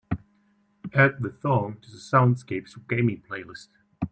Add the song to the soundscapes for gaming playlist.